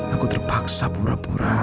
aku terpaksa pura pura